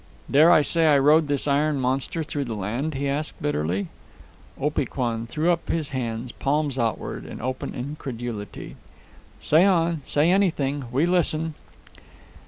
"Dare I say I rode this iron monster through the land?" he asked bitterly. Opee Kwan threw up his hands, palms outward, in open incredulity. "Say on; say anything. We listen."